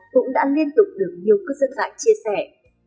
cũng đã liên tục được nhiều cư dân mạng chia sẻ